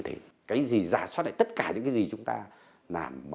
khuya ngày hai mươi sáu dạng sáng hai mươi bảy tháng năm